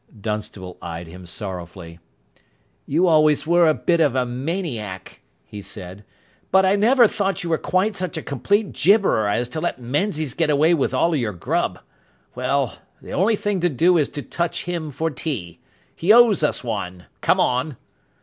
Dunstable eyed him sorrowfully. "You always were a bit of a maniac," he said, "but I never thought you were quite such a complete gibberer as to let Menzies get away with all your grub. Well, the only thing to do is to touch him for tea. He owes us one. Come on."